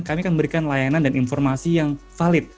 kami akan memberikan layanan dan informasi yang valid